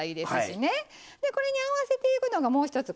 でこれに合わせていくのがもう一つ